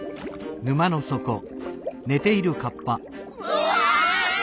うわ！